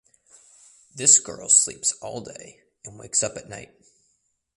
This girl sleeps all day and wakes up at night.